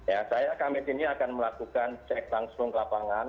ya saya kami di sini akan melakukan cek langsung ke lapangan